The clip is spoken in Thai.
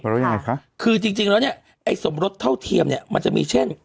แล้วยังไงคะคือจริงจริงแล้วเนี่ยไอ้สมรสเท่าเทียมเนี่ยมันจะมีเช่น